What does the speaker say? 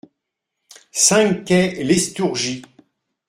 cinq quai Lestourgie